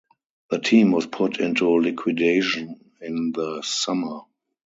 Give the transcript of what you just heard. The team was put into liquidation in the summer.